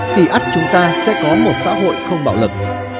thì ắt chúng ta sẽ có một xã hội không bạo lực